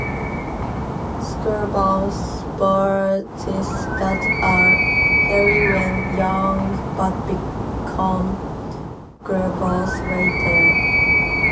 Scabrous branchlet that are hairy when young but become glabrous later.